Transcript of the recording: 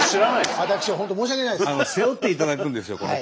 私本当申し訳ないです。